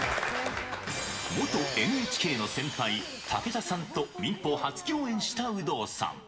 元ＮＨＫの先輩、武田さんと民放初共演した有働さん。